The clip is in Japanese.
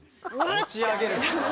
持ち上げる？